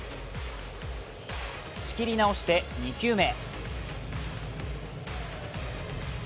仕切り直して２球目。